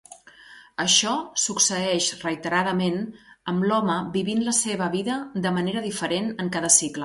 Això succeeix reiteradament, amb l'home vivint la seva vida de manera diferent en cada cicle.